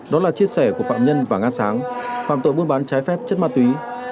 đó là chia sẻ của phạm nhân và nga sáng phạm tội buôn bán trái phép chất ma túy